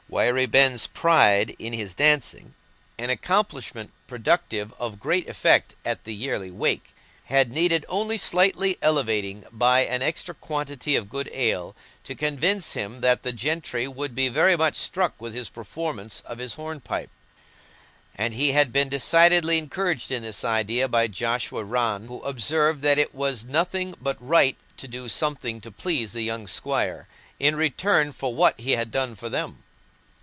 Wiry Ben's pride in his dancing—an accomplishment productive of great effect at the yearly Wake—had needed only slightly elevating by an extra quantity of good ale to convince him that the gentry would be very much struck with his performance of his hornpipe; and he had been decidedly encouraged in this idea by Joshua Rann, who observed that it was nothing but right to do something to please the young squire, in return for what he had done for them.